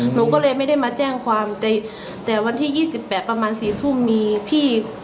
หนูก็เลยไม่ได้มาแจ้งความแต่วันที่๒๘ประมาณ๔ทุ่มมีพี่